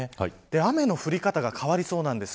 雨の降り方が変わりそうなんです。